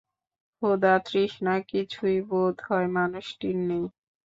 ক্ষুধা-তৃষ্ণা কিছুই বোধ-হয় মানুষটির নেই।